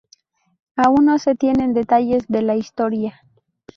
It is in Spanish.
Aún no se tienen detalles de la historia.